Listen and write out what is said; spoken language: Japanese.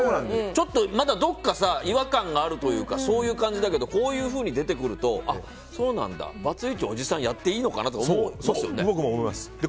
まだどこか違和感があるというかそういう感じだけどこういうふうに出てくるとそうなんだ、バツイチおじさんやっていいのかなとか思いますよね。